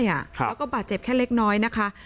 แล้วก็บาดเจ็บแค่เล็กน้อยนะคะ